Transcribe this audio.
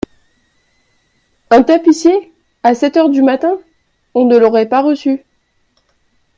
Un tapissier ! à sept heures du matin ! on ne l’aurait pas reçu !